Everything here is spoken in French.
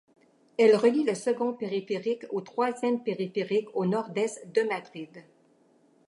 Elle relie le second périphérique au troisième périphérique au nord-est de Madrid.